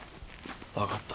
分かった。